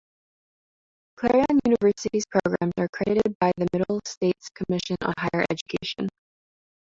Clarion University's programs are accredited by the Middle States Commission on Higher Education.